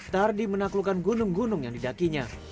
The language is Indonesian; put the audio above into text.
tardi menaklukkan gunung gunung yang didakinya